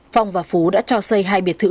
phong và phú đã cho xây hai biểu tượng